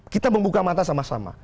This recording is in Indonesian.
kita membuka mata sama sama